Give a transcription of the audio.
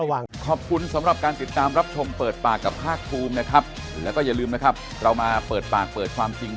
ว่าตัวนี้คือตัวตึง